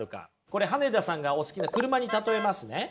これ羽根田さんがお好きな車に例えますね。